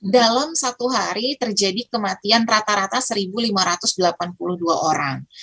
dalam satu hari terjadi kematian rata rata satu lima ratus delapan puluh dua orang